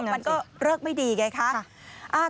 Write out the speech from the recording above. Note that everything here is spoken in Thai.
มันก็เลิกไม่ดีไงคะ